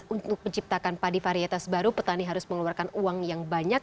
untuk menciptakan padi varietas baru petani harus mengeluarkan uang yang banyak